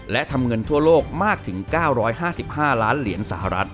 และทำเงินทั่วโลกมากถึง๙๕๕ล้านเหรียญสหรัฐ